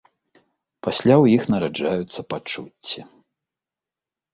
Пасля ў іх нараджаюцца пачуцці.